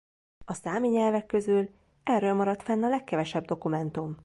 A számi nyelvek közül erről maradt fenn a legkevesebb dokumentum.